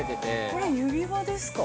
◆これは指輪ですか。